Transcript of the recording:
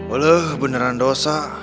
oleh beneran dosa